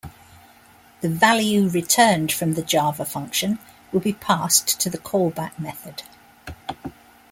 The value returned from the java function will be passed to the callback method.